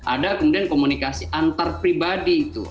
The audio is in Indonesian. ada kemudian komunikasi antar pribadi itu